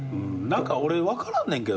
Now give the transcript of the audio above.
俺分からんねんけど